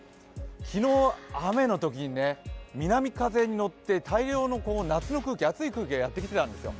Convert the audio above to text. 昨日、雨のときに南風に乗って太平洋の南の空気、暑い空気がやってきていたんですよ。